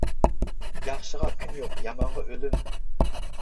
ياخشىغا كۈن يوق، يامانغا ئۆلۈم.